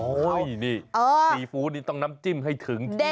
นี่ซีฟู้ดนี่ต้องน้ำจิ้มให้ถึงที่สุด